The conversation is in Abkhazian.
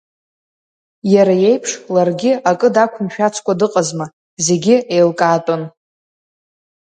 Иара иеиԥш, ларгьы акы дақәымшәацкәа дыҟазма, зегь еилкаатәын.